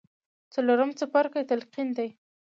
څلورم څپرکی تلقين دی.